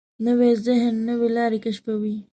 نوی ذهن نوې لارې کشفوي